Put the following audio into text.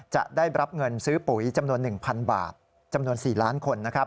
จะได้รับเงินซื้อปุ๋ยจำนวน๑๐๐๐บาทจำนวน๔ล้านคน